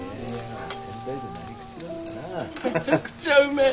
めちゃくちゃうめえ。